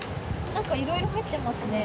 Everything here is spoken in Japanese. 何かいろいろ入ってますね